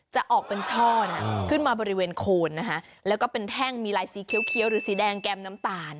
จะออกเป็นช่อนะขึ้นมาบริเวณโคนนะคะแล้วก็เป็นแท่งมีลายสีเขียวหรือสีแดงแก้มน้ำตาล